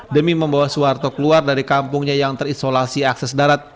demi membawa suharto keluar dari kampungnya yang terisolasi akses darat